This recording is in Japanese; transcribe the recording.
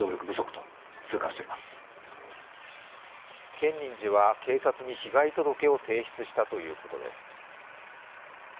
建仁寺は警察に被害届を提出したということです。